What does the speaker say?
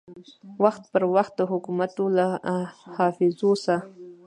وخت پر وخت د حکومتو له حافظو سه